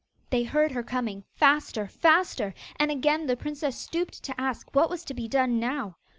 They heard her coming, faster, faster; and again the princess stooped to ask what was to be done now.